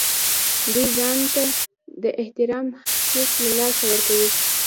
دوی ځان ته د احترام حس له لاسه ورکوي.